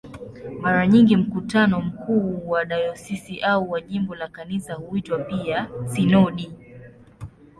Mara nyingi mkutano mkuu wa dayosisi au wa jimbo la Kanisa huitwa pia "sinodi".